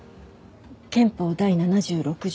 憲法第７６条